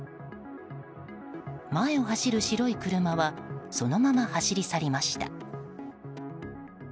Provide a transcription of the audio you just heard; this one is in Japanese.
前を走る白い車はそのまま走り去りました。